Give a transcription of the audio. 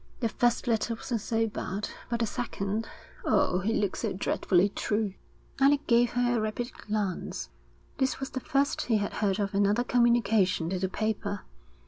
The first letter wasn't so bad, but the second oh, it looks so dreadfully true.' Alec gave her a rapid glance. This was the first he had heard of another communication to the paper.